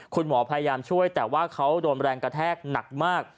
คุณหมอพยายามช่วยแต่ว่าเขาโดนแรงกระแทกหนักมาก